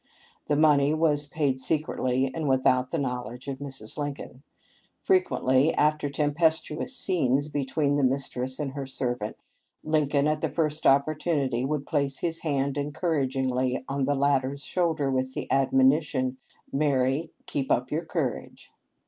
The money was paid secretly and without the knowledge of Mrs. Lincoln. Fre quently, after tempestuous scenes between the mis tress and her servant, Lincoln at the first oppor tunity would place his hand encouragingly on the latter's shoulder with the admonition," Mary, keep up your courage."